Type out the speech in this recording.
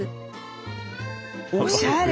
おしゃれ！